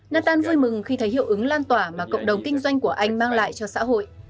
nathan vui mừng khi thấy hiệu ứng lan tỏa mà cộng đồng kinh doanh của anh mang lại cho xã hội